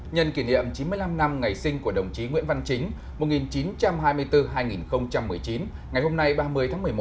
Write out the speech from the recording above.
nhân kỷ niệm chín mươi năm năm ngày sinh của đồng chí nguyễn văn chính một nghìn chín trăm hai mươi bốn hai nghìn một mươi chín ngày hôm nay ba mươi tháng một mươi một